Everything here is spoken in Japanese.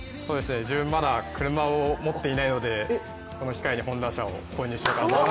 自分、まだ車を持っていないので、この機会にＨｏｎｄａ車を購入しようかなと思います。